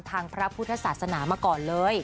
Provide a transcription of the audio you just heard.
พระพุทธศาสนามาก่อนเลย